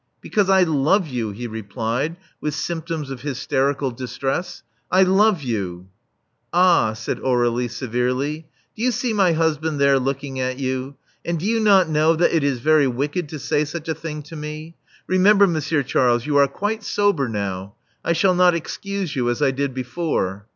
"Because I love you," he replied, with symptoms of hysterical distress. "I love you." "Ah!" said Aur^lie severely. Do you see my husband there looking at you? And do you not know that it is very wicked to say such a thing to me? Remember, Monsieur Charles, you are quite sober now. I shall not excuse you as I did before."